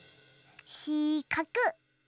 しかく。